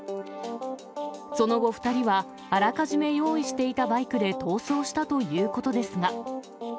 その後二人は、あらかじめ用意していたバイクで逃走したということですが。